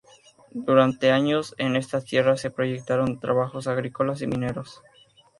Durante años, en estas tierras se proyectaron trabajos agrícolas y mineros.